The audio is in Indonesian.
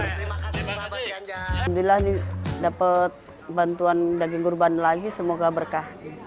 alhamdulillah dapat bantuan daging kurban lagi semoga berkah